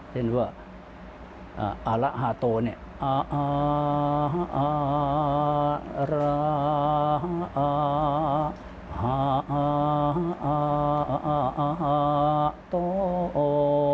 เช่นว่าอ่าอ่าร่าฮาโตเนี่ยอ่าอ่าอ่าร่าอ่าอ่าฮาอ่าอ่าฮาโต